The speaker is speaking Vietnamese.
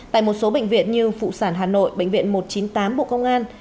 tại một số bệnh viện như phụ sản hà nội bệnh viện một trăm chín mươi tám bộ công an